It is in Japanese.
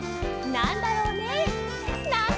なんだろうね？